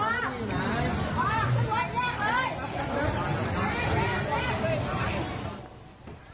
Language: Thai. เห็นไหมคะลูกศรผู้ก่อเหตุคือเสื้อสีขาวอ่ะค่ะ